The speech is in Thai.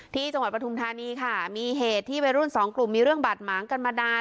จังหวัดปฐุมธานีค่ะมีเหตุที่วัยรุ่นสองกลุ่มมีเรื่องบาดหมางกันมานาน